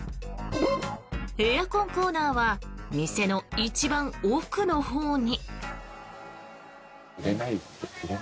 エアコンコーナーは店の一番奥のほうに。